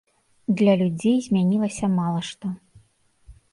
Для людзей змянілася мала што.